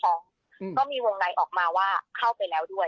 ก็มีวงในออกมาว่าเข้าไปแล้วด้วย